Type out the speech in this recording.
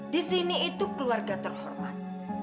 di sini itu keluarga terhormat